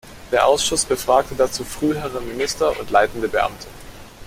Der Ausschuss befragte dazu frühere Minister und leitende Beamte.